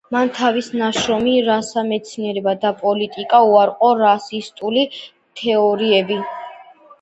მან თავის ნაშრომში „რასა: მეცნიერება და პოლიტიკა“ უარყო რასისტული თეორიები.